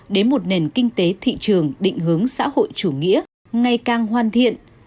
đến một nền kinh tế thị trường định hướng xã hội chủ nghĩa ngày càng hoàn thiện